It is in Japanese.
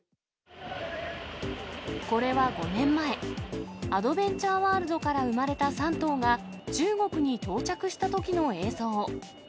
これは５年前、アドベンチャーワールドから産まれた３頭が、中国に到着したときの映像。